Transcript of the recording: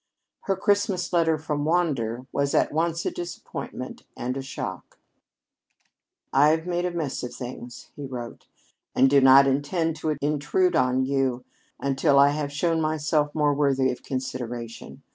Her Christmas letter from Wander was at once a disappointment and a shock. "I've made a mess of things," he wrote, "and do not intend to intrude on you until I have shown myself more worthy of consideration.